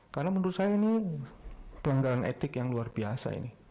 karena menurut saya ini pelanggaran etik yang luar biasa ini